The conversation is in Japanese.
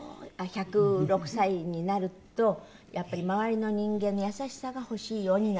１０６歳になるとやっぱり周りの人間の優しさが欲しいようになる？